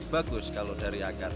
bagus kalau dari akar